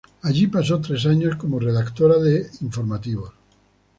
Allí pasó tres años como redactora de "Informativos.